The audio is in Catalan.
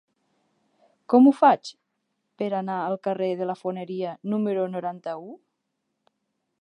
Com ho faig per anar al carrer de la Foneria número noranta-u?